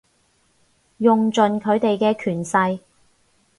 用盡佢哋嘅權勢